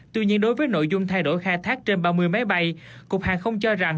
tuy nhiên đối với nội dung thay đổi khai thác trên ba mươi máy bay cục hàng không cho rằng